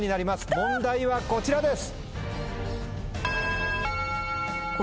問題はこちらです。